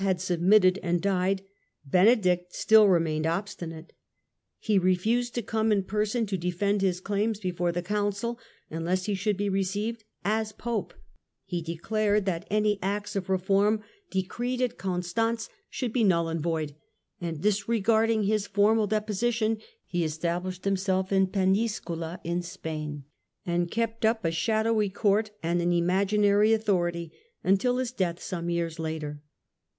had submitted and died ; Benedict still remained obstinate. He refused to come in person to defend his claims before the Council, unless he should be received as Pope ; he declared that any acts of reform decreed at Constance would be null and void ; and, dis regarding his formal deposition, he established himself at Peniscola in Spain and kept up a shadowy Court and an imaginary authority until his death some years later.